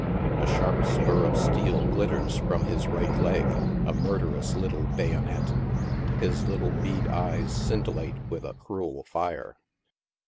A sharp spur of steel glitters from his right leg — a murderous little bayonet. His little bead eyes scintillate with a cruel fire.